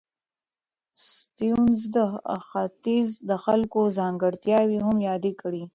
سټيونز د ختیځ د خلکو ځانګړتیاوې هم یادې کړې.